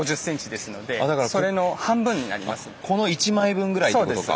この１枚分ぐらいってことか。